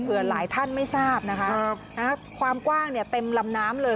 หลายท่านไม่ทราบนะคะความกว้างเนี่ยเต็มลำน้ำเลย